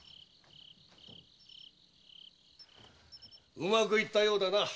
うまくいったようだな。